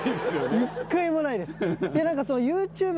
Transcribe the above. １回もないです。